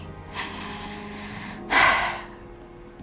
jadi cemburu aku mungkin gak beralasan selama ini